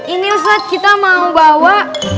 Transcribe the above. ini ustadz kita mau bawa